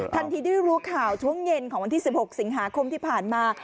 ทันทีได้รู้ข่าวช่วงเย็นของวันที่๑๖สิงหาคมที่ผ่านมา